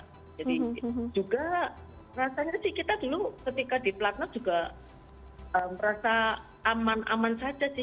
jadi juga rasanya sih kita dulu ketika di pelatnas juga merasa aman aman saja sih